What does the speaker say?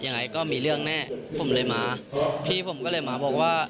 ยังไงก็มีเรื่องแน่ผมเลยมาพี่ผมก็เลยมาบอกว่า